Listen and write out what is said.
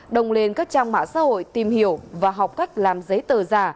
đồng lên các trang mạng xã hội tìm hiểu và học cách làm giấy tờ giả